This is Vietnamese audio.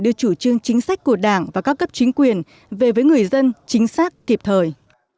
đưa chủ trương chính sách của đảng và các cấp chính quyền về với người dân chính xác kịp thời